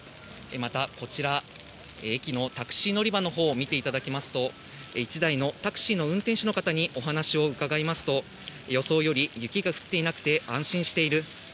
また、こちら、駅のタクシー乗り場のほうを見ていただきますと、一台のタクシーの運転手の方にお話を伺いますと、予想より雪が降っていなくて安心している。